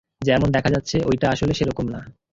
যেমন দেখা যাচ্ছে এটা আসলে সেরকম না!